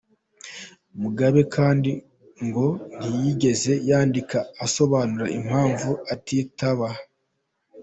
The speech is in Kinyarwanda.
Mugabe kandi ngo ntiyigeze yandika asobanura impamvu atitaba.